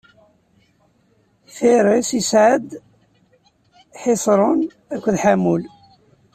Firiṣ isɛad Ḥiṣrun akked Ḥamul.